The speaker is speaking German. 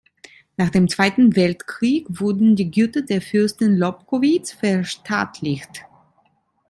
Nach dem Zweiten Weltkrieg wurden die Güter der Fürsten Lobkowicz verstaatlicht.